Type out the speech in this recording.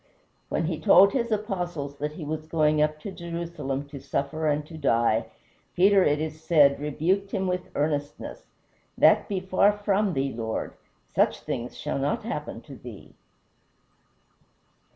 When he told his Apostles that he was going up to Jerusalem to suffer and to die, Peter, it is said, rebuked him with earnestness: "That be far from thee, Lord; such things shall not happen to thee."